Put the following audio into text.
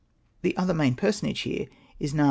The other main personage here is Na.